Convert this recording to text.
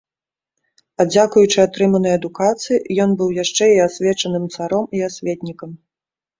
А дзякуючы атрыманай адукацыі, ён быў яшчэ і асвечаным царом і асветнікам.